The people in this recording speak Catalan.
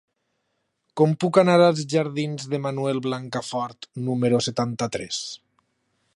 Com puc anar als jardins de Manuel Blancafort número setanta-tres?